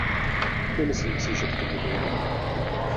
Nemyslím si, že k tomu dojde.